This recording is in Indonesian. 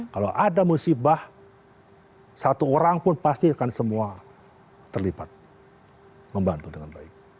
kalau ada musibah satu orang pun pasti akan semua terlibat membantu dengan baik